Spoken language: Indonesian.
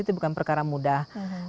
itu bukan perkara mudah